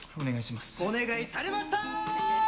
お願いされましたー！